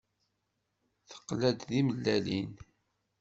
Teqla-d timellalin.